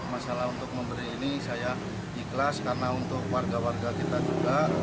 masalah untuk memberi ini saya ikhlas karena untuk warga warga kita juga